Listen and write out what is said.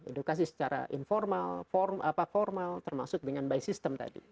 edukasi secara informal formal termasuk dengan by system tadi